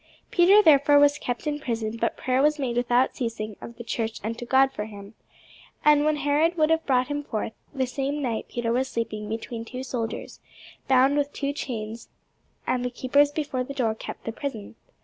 Peter therefore was kept in prison: but prayer was made without ceasing of the church unto God for him. And when Herod would have brought him forth, the same night Peter was sleeping between two soldiers, bound with two chains: and the keepers before the door kept the prison.